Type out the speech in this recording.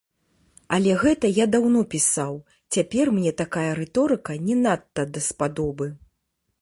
Але гэта я даўно пісаў, цяпер мне такая рыторыка не надта даспадобы.